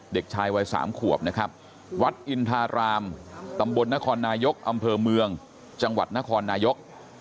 เด็กชายวัย๓ขวบนะครับวัดอินทารามตำบลนครนายกอำเภอเมืองจังหวัดนครนายก